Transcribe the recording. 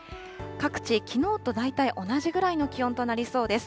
各地、きのうと大体同じぐらいの気温となりそうです。